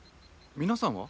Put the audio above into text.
皆さんは？